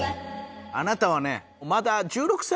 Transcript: あなたはねまだ１６歳？